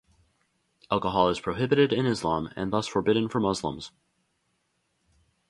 Alcohol is prohibited in Islam and thus forbidden for Muslims.